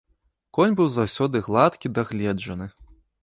Конь быў заўсёды гладкі, дагледжаны.